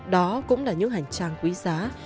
đó cũng là những hành trang quý giá